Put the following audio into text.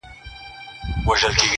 له ټوخي یې په عذاب کلی او کور وو٫